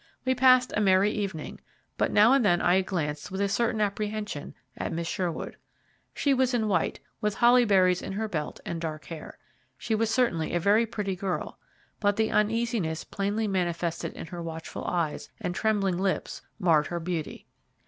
We passed a merry evening, but now and then I glanced with a certain apprehension at Miss Sherwood. She was in white, with holly berries in her belt and dark hair. She was certainly a very pretty girl, but the uneasiness plainly manifested in her watchful eyes and trembling lips marred her beauty.